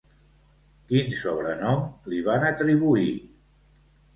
Quin sobrenom li van atribuir?